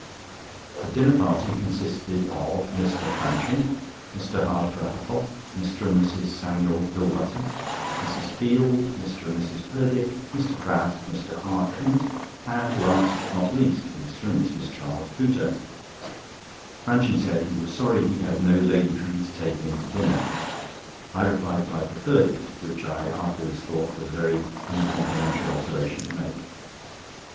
The dinner party consisted of Mr. Franching, Mr. Hardfur Huttle, Mr. and Mrs. Samuel Hillbutter, Mrs. Field, Mr. and Mrs. Purdick, Mr. Pratt, Mr. R. Kent, and, last but not least, Mr. and Mrs. Charles Pooter. Franching said he was sorry he had no lady for me to take in to dinner. I replied that I preferred it, which I afterwards thought was a very uncomplimentary observation to make.